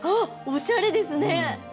おしゃれですね！